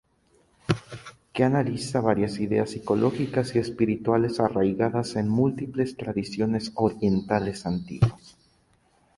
Que analiza varias ideas psicológicas y espirituales arraigadas en múltiples tradiciones orientales antiguas.